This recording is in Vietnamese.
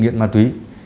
nghiện ma túy